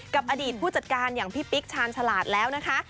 กับอดีตผู้จัดการอย่างพี่ปิ๊กชาญฉลาดแล้วนะคะ